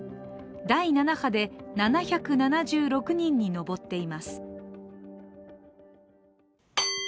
第７波で７７６人に上っています。